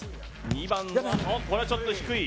２番はこれはちょっと低い